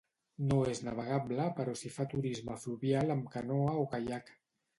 No és navegable però si fa turisme fluvial amb canoa o caiac.